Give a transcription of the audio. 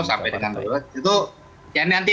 sampai dengan dulu itu yang nanti